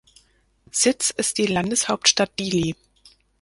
Sitz ist die Landeshauptstadt Dili.